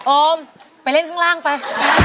อมไปเล่นข้างล่างไป